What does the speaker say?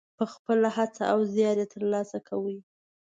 په خپله هڅه او زیار یې ترلاسه کوي.